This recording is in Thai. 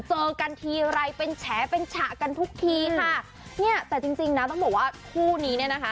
เจอกันทีไรเป็นแฉเป็นฉะกันทุกทีค่ะเนี่ยแต่จริงจริงนะต้องบอกว่าคู่นี้เนี่ยนะคะ